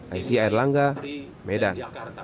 aisyah erlangga medan